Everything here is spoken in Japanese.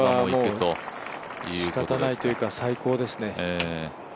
これはしかたないというか最高ですね。